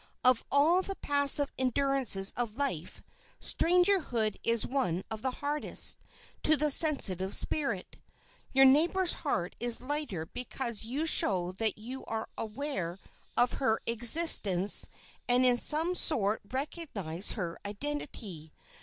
Of all the passive endurances of life, strangerhood is one of the hardest to the sensitive spirit. Your neighbor's heart is lighter because you show that you are aware of her existence and, in some sort, recognize her identity.